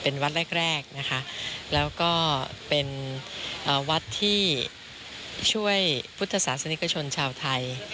เป็นวัดแรกนะคะแล้วก็เป็นวัดที่ช่วยพุทธศาสนิกชนชาวไทย